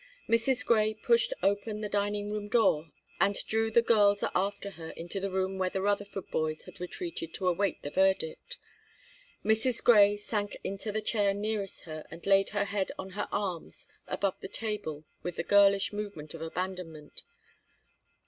Mrs. Grey pushed open the dining room door and drew the girls after her into the room where the Rutherford boys had retreated to await the verdict. Mrs. Grey sank into the chair nearest her and laid her head on her arms above the table with a girlish movement of abandonment.